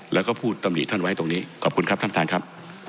แล้วก็พูดตำหนิท่านไว้ตรงนี้ขอบคุณครับท่านท่านครับ